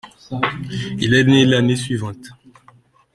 Il est né l'année suivante.